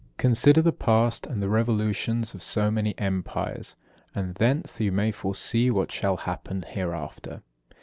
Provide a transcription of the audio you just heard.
49. Consider the past, and the revolutions of so many Empires; and thence you may foresee what shall happen hereafter.